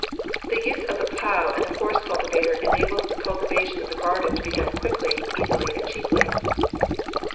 The use of the plow and the horse cultivator enables the cultivation of the garden to be done quickly, easily, and cheaply.